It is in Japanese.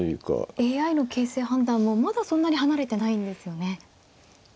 ＡＩの形勢判断もまだそんなに離れてないんですよね。